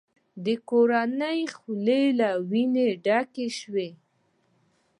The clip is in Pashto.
د کورنۍ خولې له وینو ډکې شوې.